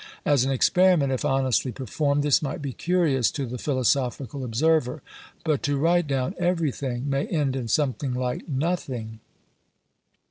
As an experiment, if honestly performed, this might be curious to the philosophical observer; but to write down everything, may end in something like nothing.